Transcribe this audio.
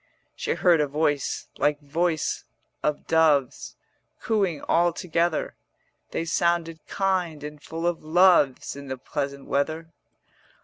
She heard a voice like voice of doves Cooing all together: They sounded kind and full of loves In the pleasant weather.